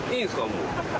もう。